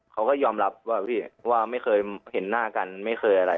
เขาก็ยอมรับว่าพี่ว่าไม่เคยเห็นหน้ากันไม่เคยอะไร